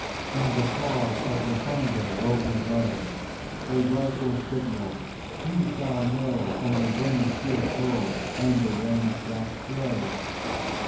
In the pause of the thunder rolling low, A rifle's signal who shall know From the wind's fierce hurl and the rain's black blow?